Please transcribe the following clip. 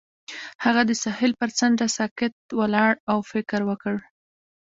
هغه د ساحل پر څنډه ساکت ولاړ او فکر وکړ.